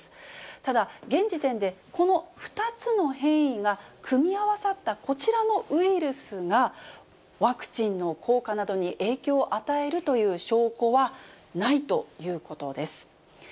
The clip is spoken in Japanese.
ただ、現時点で、この２つの変異が組み合わさったこちらのウイルスが、ワクチンの効果などに影響を与えるという証拠はないということです。